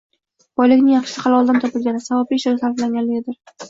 Boylikning yaxshisi haloldan topilgani, savobli ishlarga sarflanganidir.